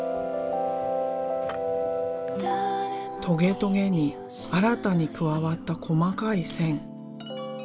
トゲトゲに新たに加わった細かい線。